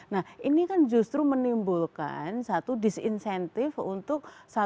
nah ini kan justru menimbulkan satu disinsentif untuk satu